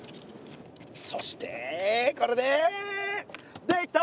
そしてこれでできた！